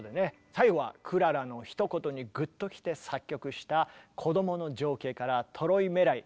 最後はクララのひと言にグッときて作曲した「こどもの情景」から「トロイメライ」